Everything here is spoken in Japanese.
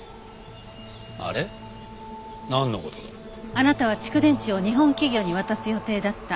あなたは蓄電池を日本企業に渡す予定だった。